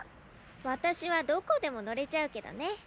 わたしはどこでものれちゃうけどね。